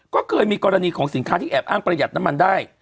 ก็เคยมีกรณีของสินค้าที่แอบอ้างประหยัดน้ำมันได้